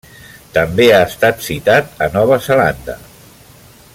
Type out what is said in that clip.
També ha estat citat a Nova Zelanda.